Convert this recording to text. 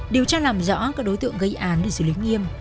điều tra làm rõ các đối tượng gây án để xử lý nghiêm